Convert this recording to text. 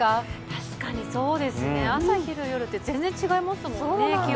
確かにそうですね、朝、昼、夜って全然気温が違いますもんね。